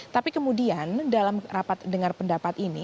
tapi kemudian dalam rapat dengar pendapat ini